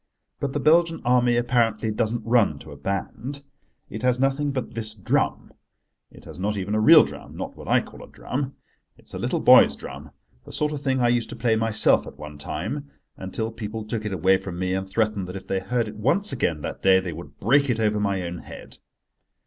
But the Belgian Army, apparently, doesn't run to a band. It has nothing but this drum. It has not even a real drum—not what I call a drum. It is a little boy's drum, the sort of thing I used to play myself at one time, until people took it away from me, and threatened that if they heard it once again that day they would break it over my own head.